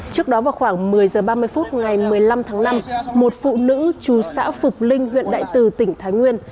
trước đó vào khoảng một mươi h ba mươi phút ngày một mươi năm tháng năm một phụ nữ chú xã phục linh huyện đại từ tỉnh thái nguyên